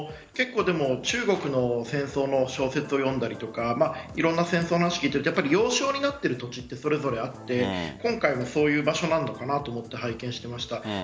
中国の戦争の小説を読んだりとかいろんな戦争の話を聞くと要衝になっている土地はそれぞれあって今回もそういう場所なのかなと拝見していました。